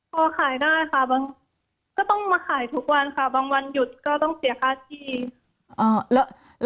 พอขายได้ค่ะบางก็ต้องมาขายทุกวันค่ะบางวันหยุดก็ต้องเสียค่าที่